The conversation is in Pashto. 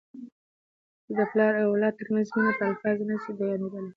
د پلار او اولاد ترمنځ مینه په الفاظو کي نه سي بیانیدلی.